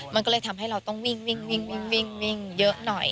มันก็เลยทำให้เราต้องวิ่งวิ่งวิ่งวิ่งเยอะหน่อย